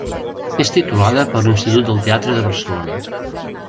És titulada per l'Institut del Teatre de Barcelona.